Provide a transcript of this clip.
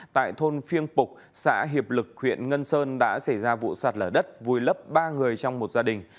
tại thôn phiêng bục xã hiệp lực huyện ngân sơn đã xảy ra vụ sạt lở đất vùi lấp ba người trong một gia đình